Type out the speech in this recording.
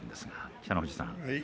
北の富士さん